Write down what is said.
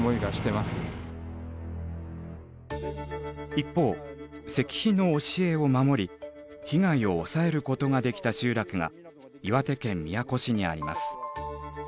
一方石碑の教えを守り被害を抑えることができた集落が岩手県宮古市にあります。